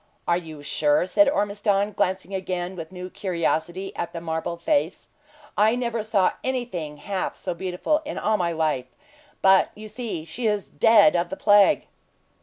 "Are you sure?" said Ormiston, glancing again with new curiosity at the marble face. "I never saw anything half so beautiful in all my life; but you see she is dead of the plague."